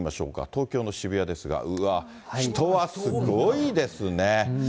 東京の渋谷ですが、うわ、人はすごいですね。